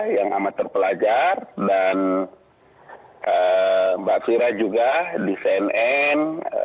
yang amat terpelajar dan mbak fira juga di cnn